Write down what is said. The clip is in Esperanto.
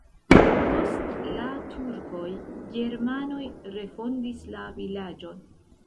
Post la turkoj germanoj refondis la vilaĝon.